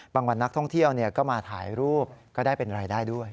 วันนักท่องเที่ยวก็มาถ่ายรูปก็ได้เป็นรายได้ด้วย